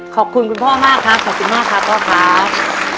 ขอบคุณคุณพ่อมากครับขอบคุณมากครับพ่อครับ